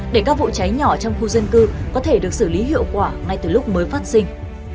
để các vụ cháy nhỏ trong khu dân cư có thể được xử lý hiệu quả ngay từ lúc mới phát sinh